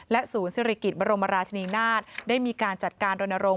และศูนย์ศิริกิติบรมราชนีนาศได้มีการจัดการดนตรง